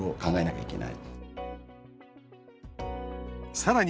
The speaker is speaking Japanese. さらに